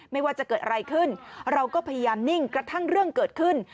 ไม่ว่าจะเกิดอะไรขึ้นเราก็พยายามนิ่งกระทั่งเรื่องเกิดขึ้น